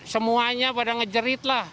semuanya pada ngejerit lah